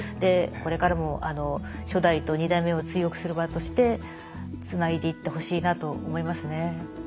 これからも初代と二代目を追憶する場としてつないでいってほしいなと思いますね。